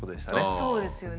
そうですよね。